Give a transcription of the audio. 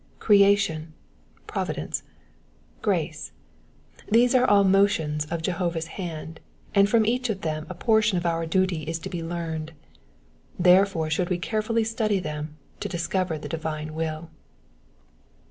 Creation, providence, grace ; these are all motions of Jehovah's hand, and from each of them a portion of our duty is to be learned ; therefore should we carefully study them, to discover the divine will.